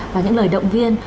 và những lời động viên